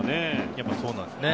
やっぱりそうなんですね。